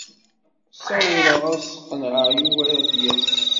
Ssawḍeɣ ad sqenɛeɣ Yuba ad d-yas.